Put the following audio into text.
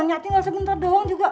hanya tinggal sebentar doang juga